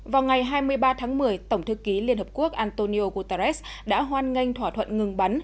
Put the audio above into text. vào ngày hai mươi ba tháng một mươi tổng thư ký liên hợp quốc antonio guterres đã hoan nghênh thỏa thuận ngừng bắn